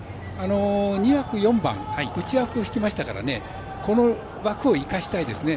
２枠４番内枠を引きましたからこの枠を生かしたいですね。